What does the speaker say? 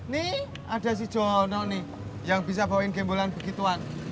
nih ada si johono nih yang bisa bawain gembolan begituan